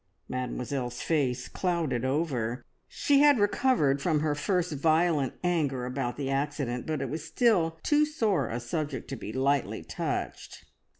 Mademoiselle's face clouded over. She had recovered from her first violent anger about the accident, but it was still too sore a subject to be lightly touched.